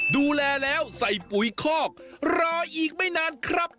ดูแลแล้วใส่ปุ๋ยคอกรออีกไม่นานครับ